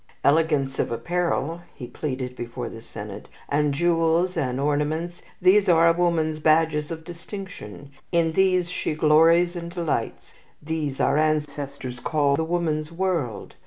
"Elegance of apparel," he pleaded before the Senate, "and jewels, and ornaments, these are a woman's badges of distinction; in these she glories and delights; these our ancestors called the woman's world.